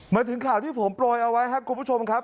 มาถึงข่าวที่ผมโปรยเอาไว้ครับคุณผู้ชมครับ